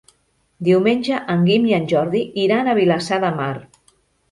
Diumenge en Guim i en Jordi iran a Vilassar de Mar.